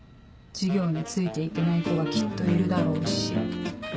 授業について行けない子がきっといるだろうし。